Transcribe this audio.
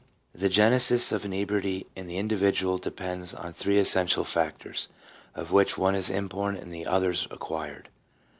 The genesis of inebriety in the individual depends on three essential factors, of which one is inborn and the others acquired.